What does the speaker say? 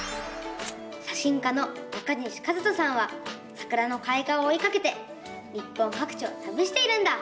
写真家の中西一登さんはさくらのかい花をおいかけて日本かく地をたびしているんだ！